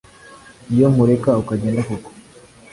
iyo nkureka ukagenda koko